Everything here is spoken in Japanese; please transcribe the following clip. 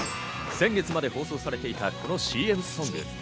先月まで放送されていたこのＣＭソング。